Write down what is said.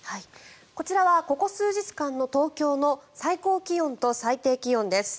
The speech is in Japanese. こちらはここ数日間の東京の最高気温と最低気温です。